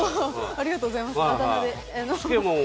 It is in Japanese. ありがとうございますあだ名で。